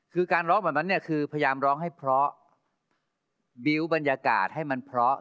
คือการร้องแบบนั้นเนี่ยคือพยายามร้องให้เพราะบิวต์บรรยากาศให้มันเพราะ